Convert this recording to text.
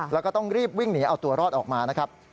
แล้วก็ต้องรีบวิ่งหนีเอาตัวรอดออกมานะครับ